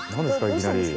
いきなり。